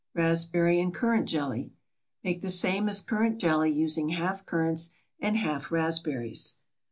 RASPBERRY AND CURRANT JELLY. Make the same as currant jelly, using half currants and half raspberries.